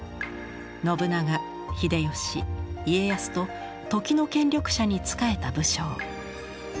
信長秀吉家康と時の権力者に仕えた武将。